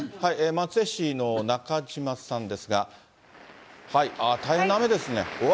松江市の中島さんですが、大変な雨ですね。